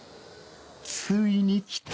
ついにきた！